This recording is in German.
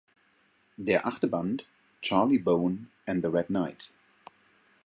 Der achte Band, "Charlie Bone and the Red Knight.